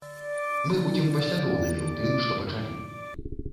Мы будзем паслядоўнымі ў тым, што пачалі.